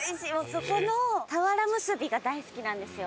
そこの俵むすびが大好きなんですよ。